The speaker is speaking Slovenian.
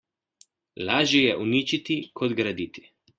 Lažje je uničiti kot graditi.